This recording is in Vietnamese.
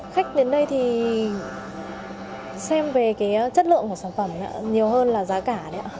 khách đến đây thì xem về chất lượng của sản phẩm nhiều hơn là giá cả